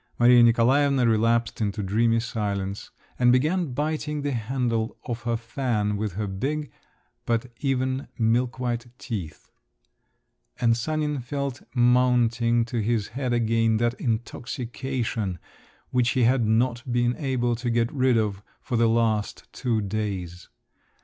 Maria Nikolaevna relapsed into dreamy silence, and began biting the handle of her fan with her big, but even, milkwhite teeth. And Sanin felt mounting to his head again that intoxication which he had not been able to get rid of for the last two days.